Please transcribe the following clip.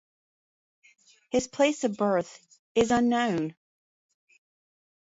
His place of birth is unknown.